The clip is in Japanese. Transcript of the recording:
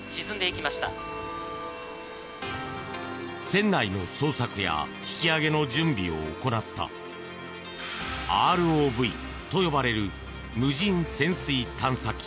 船内の捜索や引き揚げの準備を行ったＲＯＶと呼ばれる無人潜水探査機